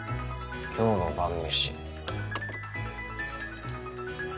今日の晩飯。